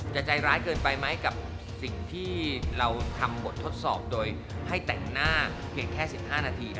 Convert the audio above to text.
ใจร้ายเกินไปไหมกับสิ่งที่เราทำบททดสอบโดยให้แต่งหน้าเพียงแค่๑๕นาที